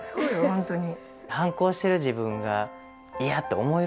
ホントに。